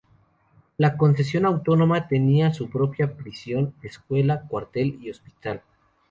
La concesión autónoma tenía su propia prisión, escuela, cuartel y hospital.